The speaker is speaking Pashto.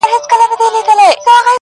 د مغل زور په دهقان، د دهقان زور په مځکه.